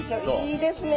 いいですね。